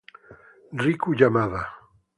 Riku Yamada